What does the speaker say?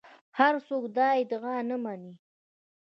هر څوک دا ادعا نه مني